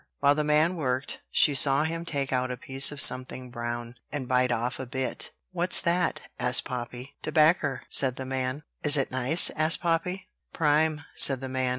While the man worked, she saw him take out a piece of something brown, and bite off a bit. "What's that?" asked Poppy. "Tobaccer," said the man. "Is it nice?" asked Poppy. "Prime," said the man.